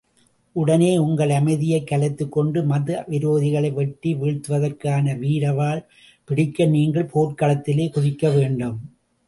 உடனே, உங்கள் அமைதியைக் கலைத்துக்கொண்டு மதவிரோதிகளை, வெட்டி வீழ்த்துவதற்கான வீர வாள் பிடிக்க நீங்கள் போர்க்களத்திலே, குதிக்க வேண்டும்.